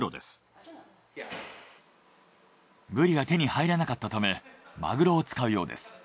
ブリが手に入らなかったためマグロを使うようです。